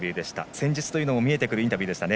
戦術というのも見えてくるインタビューでしたね。